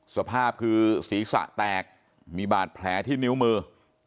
สภาพคือศีรษะแตกมีบาดแผลที่นิ้วมือ